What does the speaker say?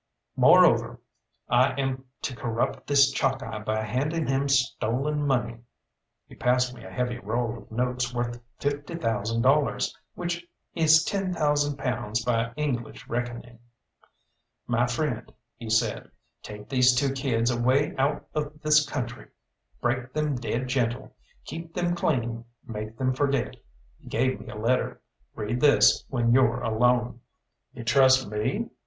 "Moreover, I aim to corrupt this Chalkeye by handing him stolen money." He passed me a heavy roll of notes worth fifty thousand dollars, which is ten thousand pounds by English reckoning. "My friend," he said, "take these two kids away out of this country break them dead gentle, keep them clean, make them forget." He gave me a letter. "Read this when you're alone." "You trust me?"